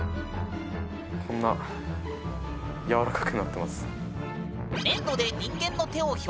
こんな軟らかくなってます。